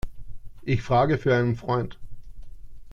Ich frage für einen Freund.